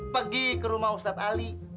pergi ke rumah ustadz ali